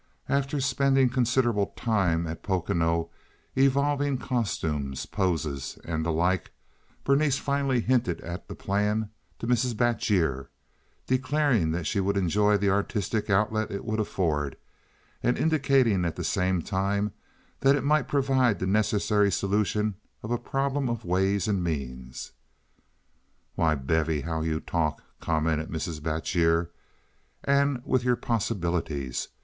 After spending considerable time at Pocono evolving costumes, poses, and the like, Berenice finally hinted at the plan to Mrs. Batjer, declaring that she would enjoy the artistic outlet it would afford, and indicating at the same time that it might provide the necessary solution of a problem of ways and means. "Why, Bevy, how you talk!" commented Mrs. Batjer. "And with your possibilities.